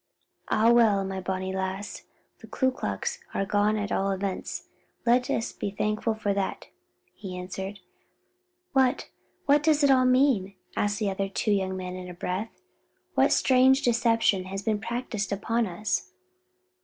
"Ah well, my bonnie lassie, the Ku Klux are gone at all events: let us be thankful for that," he answered. "What, what does it all mean?" asked the two young men in a breath, "what strange deception has been practiced upon us?"